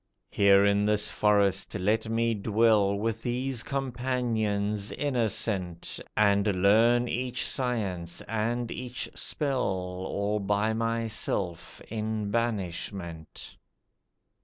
Here in this forest let me dwell, With these companions innocent, And learn each science and each spell All by myself in banishment.